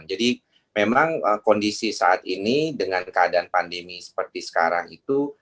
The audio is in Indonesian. kejala kecemasan jadi memang kondisi saat ini dengan keadaan pandemi seperti sekarang itu